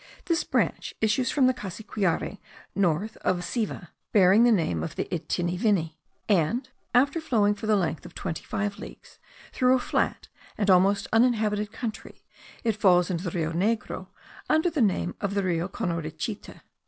This branch issues from the Cassiquiare, north of Vasiva, bearing the name of the Itinivini; and, after flowing for the length of twenty five leagues through a flat and almost uninhabited country, it falls into the Rio Negro under the name of the Rio Conorichite.